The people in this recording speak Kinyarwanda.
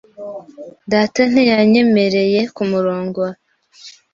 Data ntiyanyemereye kumurongora.